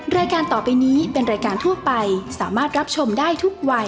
รายการต่อไปนี้เป็นรายการทั่วไปสามารถรับชมได้ทุกวัย